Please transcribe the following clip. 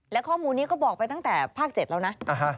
และข้อมูลนี้ก็บอกไปตั้งแต่ภาค๗แล้วนะ